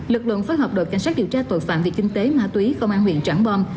lực lượng phối hợp đội cảnh sát điều tra tội phạm về kinh tế ma túy công an huyện trảng bom